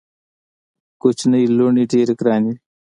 کوچنۍ لوڼي ډېري ګراني وي.